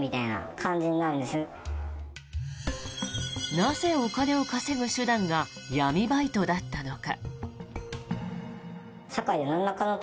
なぜ、お金を稼ぐ手段が闇バイトだったのか。